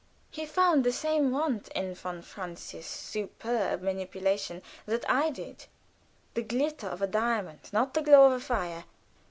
He found the same want in von Francius' "superb" manipulation that I did the glitter of a diamond, not the glow of a fire.